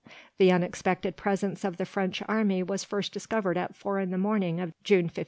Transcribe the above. The unexpected presence of the French army was first discovered at four in the morning of June 15.